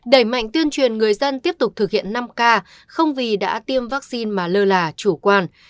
đẩy mạnh tuyên truyền người dân tiếp tục thực hiện năm k không vì đã tiêm vaccine mà lơ là chủ quan